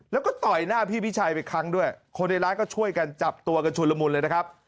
แล้วก็ต่อยหน้าพี่พิชัยไปครั้งด้วยคนในร้านก็ช่วยกันจับตัวกันชุดละมุนเลยนะครับ